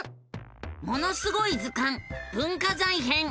「ものすごい図鑑文化財編」！